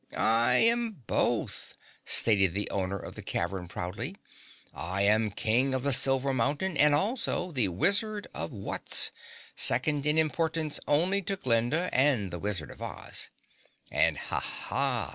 "I am both!" stated the owner of the cavern proudly. "I am King of the Silver Mountain and also the Wizard of Wutz, second in importance only to Glinda and the Wizard of Oz. And, ha! ha!